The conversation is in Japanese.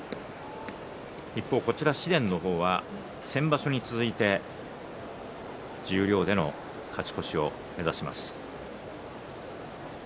一方紫雷は先場所に続いて十両での勝ち越しを目指します。